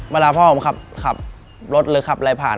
เวลาพ่อผมขับรถหรือขับอะไรผ่าน